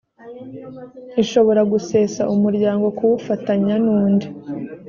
ishobora gusesa umuryango kuwufatanya n undi